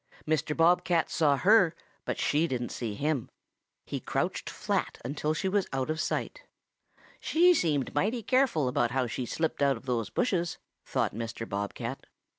Mr. Bob cat saw her, but she didn't see him. He crouched flat until she was out of sight. "'She seemed mighty careful about how she slipped out of those bushes,' thought Mr. Bob cat.